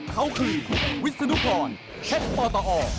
เขาคือวิศนุภรเทศปตอ